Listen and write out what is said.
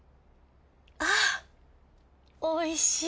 あおいしい。